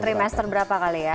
trimester berapa kali ya